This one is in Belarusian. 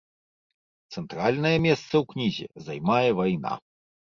Цэнтральнае месца ў кнізе займае вайна.